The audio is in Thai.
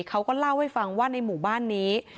เขาก็เล่าให้ฟังว่าในหมู่บ้านนี้